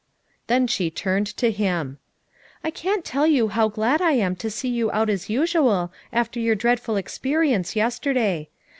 Then she turned to him. "I can't tell you how glad I am to see you out as usual after your dreadful expe rience yesterday.